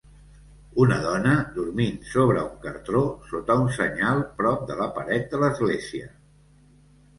una dona dormint sobre un cartró sota una senyal prop de la pared de l'església